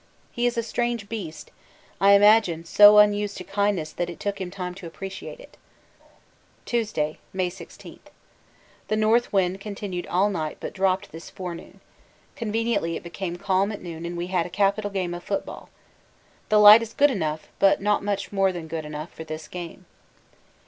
He is a strange beast I imagine so unused to kindness that it took him time to appreciate it. Tuesday, May 16. The north wind continued all night but dropped this forenoon. Conveniently it became calm at noon and we had a capital game of football. The light is good enough, but not much more than good enough, for this game.